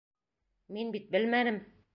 Мин бит белмәнем!